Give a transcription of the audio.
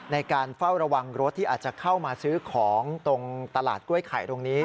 ในการเฝ้าระวังรถที่อาจจะเข้ามาซื้อของตรงตลาดกล้วยไข่ตรงนี้